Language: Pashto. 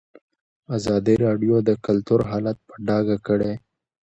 ازادي راډیو د کلتور حالت په ډاګه کړی.